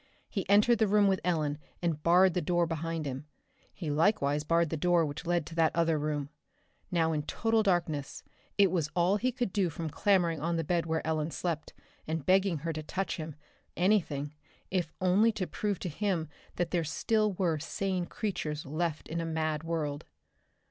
He entered the room with Ellen and barred the door behind him. He likewise barred the door which led to that other room. Now in total darkness it was all he could do from clambering on the bed where Ellen slept, and begging her to touch him anything if only to prove to him that there still were sane creatures left in a mad world.